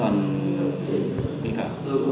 ừ đúng chứ